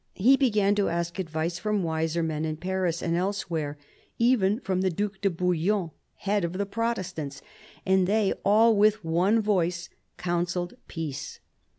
He began to ask advice from wiser men in Paris and elsewhere, even from the Due de Bouillon, head of the Protestants, and they all with one voice counselled peace.